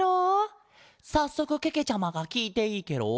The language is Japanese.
さっそくけけちゃまがきいていいケロ？